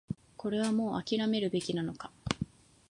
これはもう諦めるべきなのか